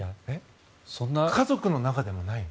家族の中でもない？